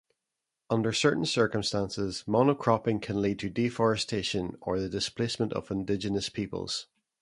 Under certain circumstances monocropping can lead to deforestation or the displacement of indigenous peoples.